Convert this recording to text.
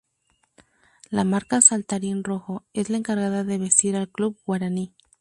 La marca Saltarín Rojo, es la encargada de vestir al Club Guaraní.